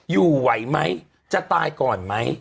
อยู่ไหวไหมจะตายก่อนไหม